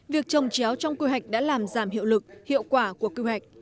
việc trồng chéo trong quy hoạch đã làm giảm hiệu lực hiệu quả của quy hoạch